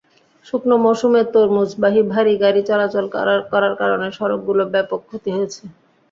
শুকনো মৌসুমে তরমুজবাহী ভারী গাড়ি চলাচল করার কারণে সড়কগুলোর ব্যাপক ক্ষতি হয়েছে।